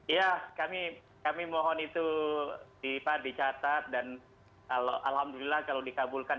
ya kami mohon itu dicatat dan alhamdulillah kalau dikabulkan